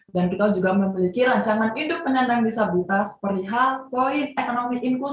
dan kita juga memiliki rancangan hidup penyandang disabilitas perihal poin ekonomi dan rancangan